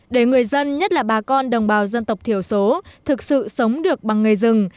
để người dân nhất là bà con đồng bào dân tộc thiểu số thực sự sống được bằng nghề rừng